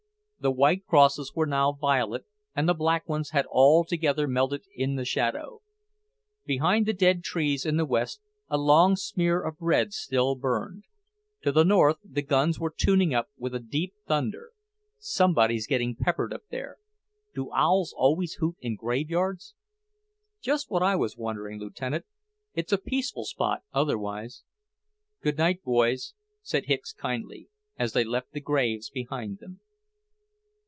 The white crosses were now violet, and the black ones had altogether melted in the shadow. Behind the dead trees in the west, a long smear of red still burned. To the north, the guns were tuning up with a deep thunder. "Somebody's getting peppered up there. Do owls always hoot in graveyards?" "Just what I was wondering, Lieutenant. It's a peaceful spot, otherwise. Good night, boys," said Hicks kindly, as they left the graves behind them.